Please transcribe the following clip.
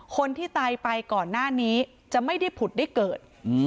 คนที่ตายไปก่อนหน้านี้จะไม่ได้ผุดได้เกิด